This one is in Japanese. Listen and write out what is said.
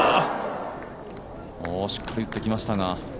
しっかり打ってきましたが。